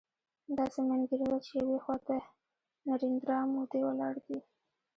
داسې مې انګېرله چې يوې خوا ته نریندرا مودي ولاړ دی.